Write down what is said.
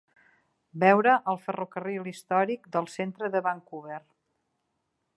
Veure el ferrocarril històric del centre de Vancouver.